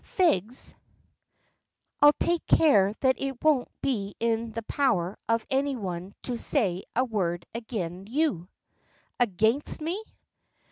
Fegs, I'll take care that it won't be in the power of any one to say a word agin you." "Against me?"